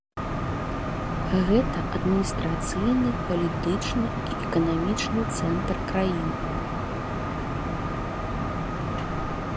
Гэта адміністрацыйны, палітычны і эканамічны цэнтр краіны.